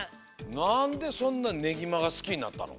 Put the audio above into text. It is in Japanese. なんでそんなねぎまがすきになったの？